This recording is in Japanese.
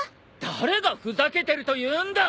誰がふざけてるというんだ！